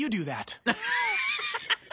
ハハハハ！